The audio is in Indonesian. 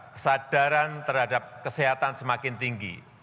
kesadaran terhadap kesehatan semakin tinggi